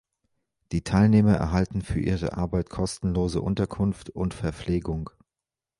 Die Teilnehmer erhalten für ihre Arbeit kostenlose Unterkunft und Verpflegung.